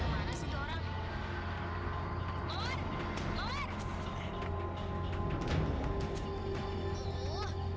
mana sih dia orang